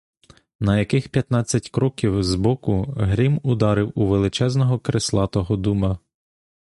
На яких п'ятнадцять кроків збоку грім ударив у величезного крислатого дуба.